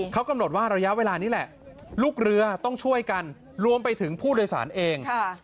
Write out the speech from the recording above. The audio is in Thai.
เขากำหนดว่าระยะเวลานี้แหละลูกเรือต้องช่วยกัน